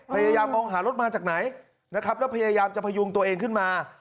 พยายามมองหารถมาจากไหนนะครับแล้วพยายามจะพยุงตัวเองขึ้นมา